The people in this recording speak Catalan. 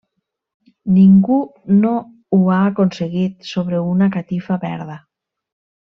Ningú no ho ha aconseguit sobre una catifa verda.